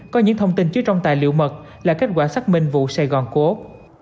có những thông tin chứa trong tài liệu mật là kết quả xác minh vụ sài gòn cô ấp